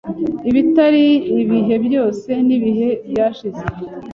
Ibitari ibihe byose nibihe byashize.